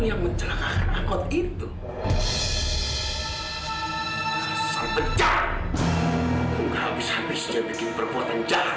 aku gak bisa bisa bikin perbuatan jahat